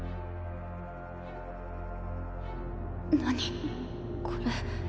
何これ？